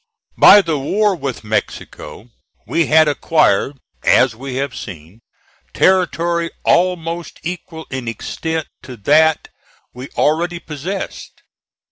By the war with Mexico, we had acquired, as we have seen, territory almost equal in extent to that we already possessed.